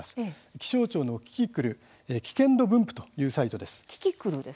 気象庁のキキクルというサイトです。